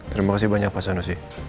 terima kasih banyak mas anu sih